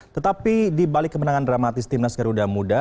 tetapi di balik kemenangan dramatis timnas garuda muda